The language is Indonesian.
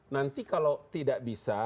nanti kalau tidak bisa